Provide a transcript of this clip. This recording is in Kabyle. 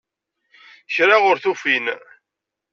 Kra ur t-ufin.